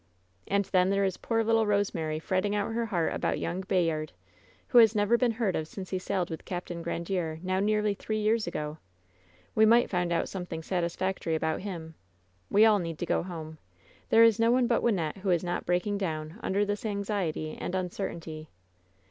And then there is poor little Kosemary fretting out her heart about young Bayard, who has never been heard of since he sailed with Capt. Grandiere, now nearly three years ago! We might find out something satisfactory about him. We all need to go home! There is no one but Wyn nette who is not breaking down under this anxiety and uncertainty!